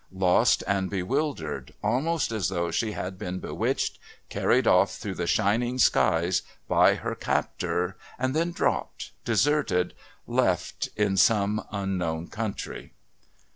Lost and bewildered almost as though she had been bewitched, carried off through the shining skies by her captor and then dropped, deserted, left, in some unknown country.